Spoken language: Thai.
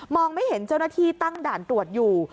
ไม่เห็นเจ้าหน้าที่ตั้งด่านตรวจอยู่